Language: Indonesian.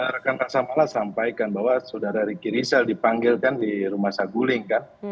rekan rasa malah sampaikan bahwa saudara ricky rizal dipanggil kan di rumah saguling kan